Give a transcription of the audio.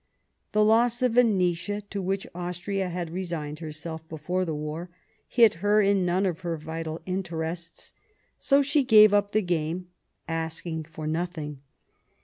The loss of Venetia, to which Austria had resigned herself before the war, hit her in none of her vital interests ; so she gave up the game, asking for nothing.